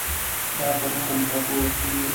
دا په نرم غږ وېل کېږي.